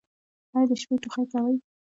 ایا د شپې ټوخی کوئ؟